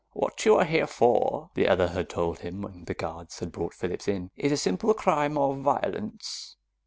"What you are here for," the other had told him when the guards had brought Phillips in, "is a simple crime of violence.